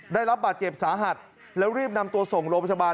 ได้รับบาดเจ็บสาหัสแล้วรีบนำตัวส่งโรงพยาบาล